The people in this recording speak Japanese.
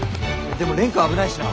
でも蓮くん危ないしな。